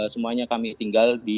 semuanya kami tinggal di dalam rumah